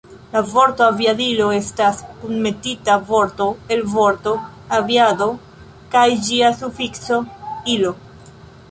La vorto Aviadilo estas kunmetita vorto el vorto aviado kaj ĝia sufikso, -ilo.